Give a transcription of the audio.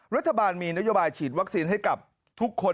รัฐบาลมีนโยบายฉีดวัคซีนให้กับทุกคน